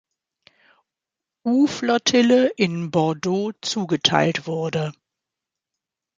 U-Flottille in Bordeaux zugeteilt wurde.